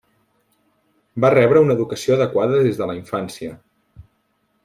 Va rebre una educació adequada des de la infància.